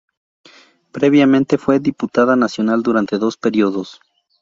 Previamente fue diputada nacional durante dos períodos.